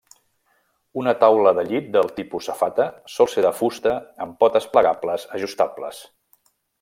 Una taula de llit del tipus safata, sol ser de fusta amb potes plegables ajustables.